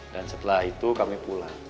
dan setelah itu kami pulang